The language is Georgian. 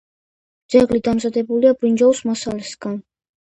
ძეგლი დამზადებულია ბრინჯაოს მასალისაგან.